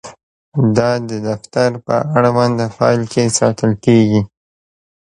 دا د دفتر په اړونده فایل کې ساتل کیږي.